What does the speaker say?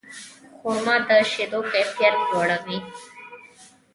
خرما د شیدو کیفیت لوړوي.